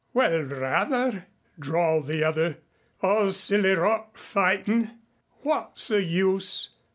"Well rather," drawled the other. "All silly rot fightin'. What's the use.